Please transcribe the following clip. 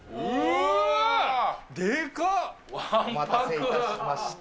お待たせしました。